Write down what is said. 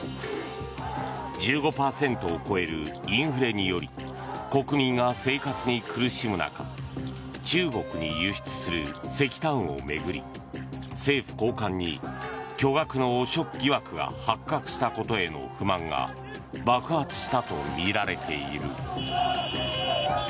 １５％を超えるインフレにより国民が生活に苦しむ中中国に輸出する石炭を巡り政府高官に巨額の汚職疑惑が発覚したことへの不満が爆発したとみられている。